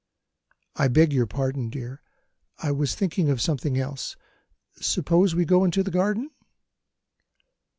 "I beg your pardon, dear; I was thinking of something else. Suppose we go into the garden?"